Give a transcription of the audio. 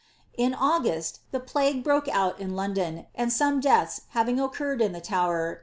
In August, ihfi plague broke out in 1 and some deaths having occurred in the Tower.